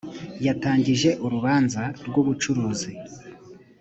yatangije urubanza rwubucuruzi.